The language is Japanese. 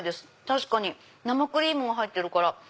確かに生クリームが入ってるから。